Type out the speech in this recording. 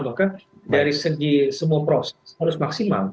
bahkan dari segi semua proses harus maksimal